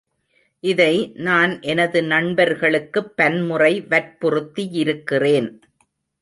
இதை நான் எனது நண்பர்களுக்குப் பன்முறை வற்புறுத்தியிருக்கிறேன்.